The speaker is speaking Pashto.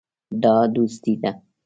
دا دوستي ده.